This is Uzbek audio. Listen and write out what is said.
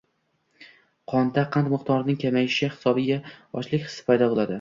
Qonda qand miqdorining kamayishi hisobiga ochlik hissi paydo boʻladi.